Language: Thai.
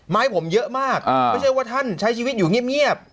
ไม้ผมเยอะมากไม่ใช่ว่าท่านใช้ชีวิตอยู่เงียบ